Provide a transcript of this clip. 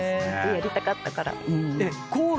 やりたかったから。